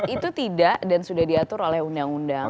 itu tidak dan sudah diatur oleh undang undang